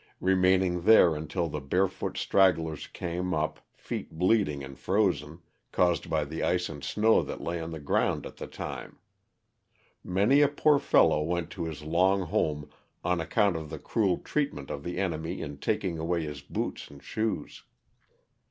remaining there until the barefoot stragglers came up, feet bleeding and frozen, caused by the ice and snow that lay on the ground at that time. Many a poor fellow went to his long home on account of the cruel treatment of the enemy in taking away his boots and shoes.